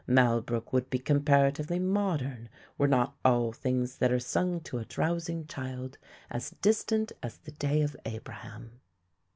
Malbrook would be comparatively modern, were not all things that are sung to a drowsing child as distant as the day of Abraham.